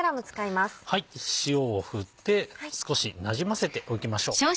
塩を振って少しなじませておきましょう。